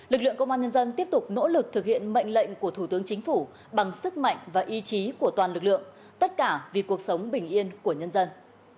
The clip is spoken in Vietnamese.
lực lượng công an nhân dân tiếp tục nỗ lực thực hiện mệnh lệnh của thủ tướng chính phủ bằng sức mạnh và ý chí của toàn lực lượng tất cả vì cuộc sống bình yên của nhân dân